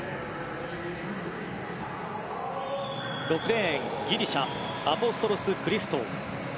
６レーン、ギリシャアポストロス・クリストゥ。